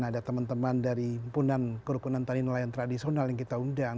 ada teman teman dari pimpinan kerukunan nilai yang tradisional yang kita undang